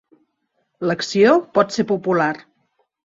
L'acció pot ser popular.